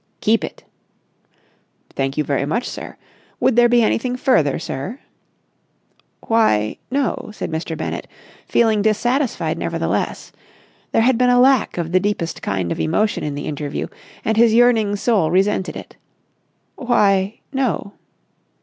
"Keep it!" "Thank you very much, sir. Would there be anything further, sir?" "Why, no," said Mr. Bennett, feeling dissatisfied nevertheless. There had been a lack of the deepest kind of emotion in the interview, and his yearning soul resented it. "Why, no."